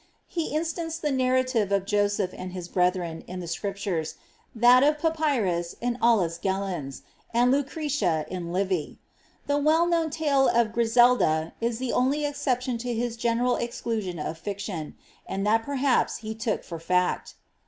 He in stanced the narrative of Joseph and his brethren, in the Scriptures, thil of Papyrus in Aulus Gellius, and Lucretia in Livy. The well knowii tale of Griselda'^ is the only exception to his general exclusion of fiction, and that perhaps he took for fact.